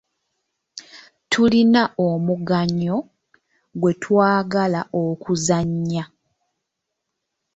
Tulina omugannyo gwe twagala okuzannya.